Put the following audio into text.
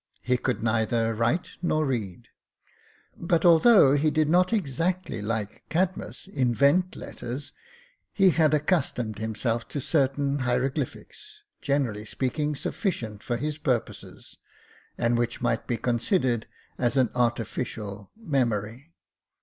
He could neither write nor read j but although he did not exactly, 4 Jacob Faithful like Cadmus, invent letters, he had accustomed himself to certain hieroglyphics, generally speaking sufficient for his purposes, and which might be considered as an artificial memory.